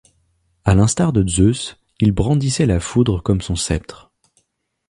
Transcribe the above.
À l’instar de Zeus, il brandissait la foudre comme son sceptre.